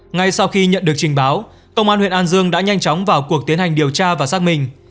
ngay sau khi nhận được trình báo công an huyện an dương đã nhanh chóng vào cuộc tiến hành điều tra và xác minh